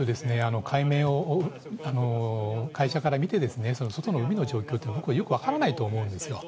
海面を、会社から見て、外の海の状況というのはよく分からないと思うんですよ。